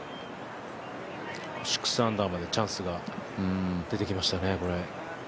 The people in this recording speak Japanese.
６アンダーまでチャンスが出てきましたね、これ。